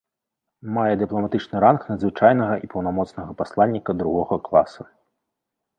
Мае дыпламатычны ранг надзвычайнага і паўнамоцнага пасланніка другога класа.